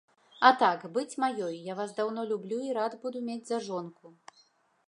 А так, быць маёй, я вас даўно люблю і рад буду мець за жонку.